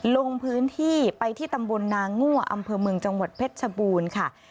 ลงพื้นที่ไปที่ตำบลนางั่วอำเภอเมืองจังหวัดเพชรชบูรณ์ค่ะ